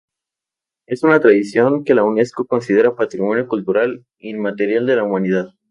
Es una tradición que la Unesco considera Patrimonio cultural inmaterial de la Humanidad.